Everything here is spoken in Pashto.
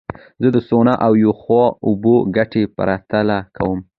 زه د سونا او یخو اوبو ګټې پرتله کوم.